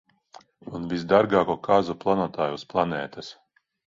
Un visdārgāko kāzu plānotāju uz planētas.